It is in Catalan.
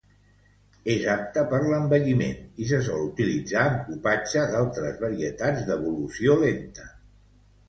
És apte per l'envelliment i se sol utilitzar amb cupatge d'altres varietats d'evolució lenta.